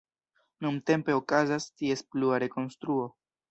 Nuntempe okazas ties plua rekonstruo.